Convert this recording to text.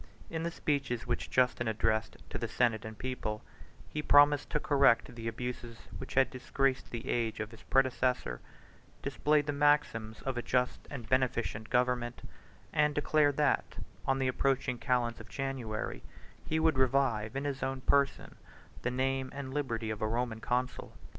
In the speeches which Justin addressed to the senate and people, he promised to correct the abuses which had disgraced the age of his predecessor, displayed the maxims of a just and beneficent government, and declared that, on the approaching calends of January, 3 he would revive in his own person the name and liberty of a Roman consul.